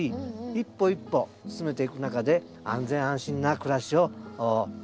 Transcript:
一歩一歩進めていく中で安全安心な暮らしを作っていきましょう。